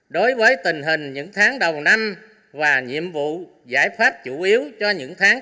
đối với tình hình những tháng đầu năm và nhiệm vụ giải pháp chủ yếu cho những tháng